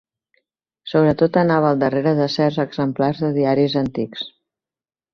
Sobretot anava al darrere de certs exemplars de diaris antics.